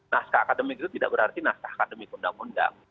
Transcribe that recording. naskah akademik itu tidak berarti naskah akademik undang undang